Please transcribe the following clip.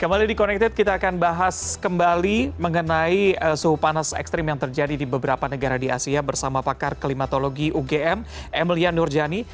kembali di connected kita akan bahas kembali mengenai suhu panas ekstrim yang terjadi di beberapa negara di asia bersama pakar klimatologi ugm emilia nurjani